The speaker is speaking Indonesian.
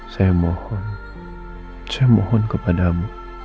saya mohon saya mohon kepadamu